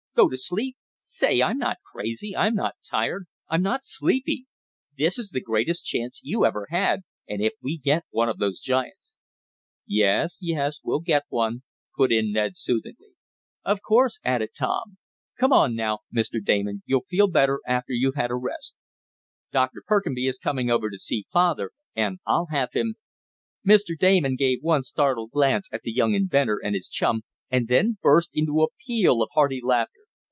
Go to sleep? Say, I'm not crazy! I'm not tired! I'm not sleepy! This is the greatest chance you ever had, and if we get one of those giants " "Yes, yes, we'll get one," put in Ned soothingly. "Of course," added Tom. "Come on, now, Mr. Damon. You'll feel better after you've had a rest. Dr. Perkinby is coming over to see father and I'll have him " Mr. Damon gave one startled glance at the young inventor and his chum, and then burst into a peal of hearty laughter.